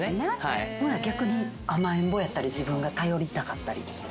逆に甘えん坊やったり自分が頼りたかったり。